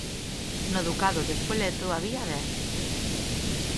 No ducado de Spoleto había dez.